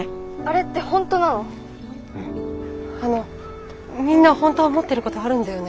あのみんなほんとは思ってることあるんだよね。